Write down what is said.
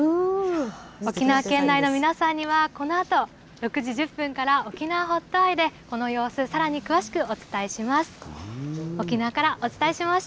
沖縄県内の皆さんには、このあと、６時１０分から沖縄ホットアイでこの様子、さらに詳しくお伝えしました。